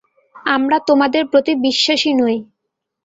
আমরা তোমাদের প্রতি বিশ্বাসী নই।